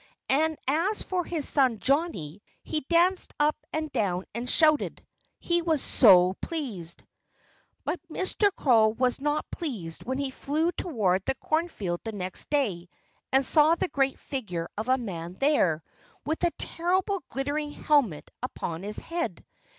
And as for his son Johnnie, he danced up and down and shouted he was so pleased. But Mr. Crow was not pleased when he flew toward the cornfield the next day and saw the great figure of a man there, with a terrible glittering helmet upon his head.